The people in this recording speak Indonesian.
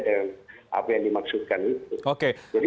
dengan apa yang dimaksudkan itu